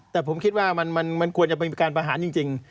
แต่ผมคิดว่ามันควรจะเป็นการประหารจริง